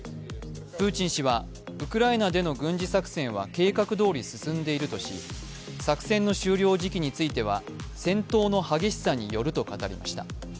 プーチン氏は、ウクライナでの軍事作戦は計画どおり進んでいるとし作戦の終了時期については戦闘の激しさによると語りました。